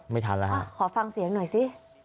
ไม่ทันแล้วฮะขอฟังเสียงหน่อยสิ